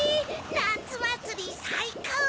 なつまつりさいこう！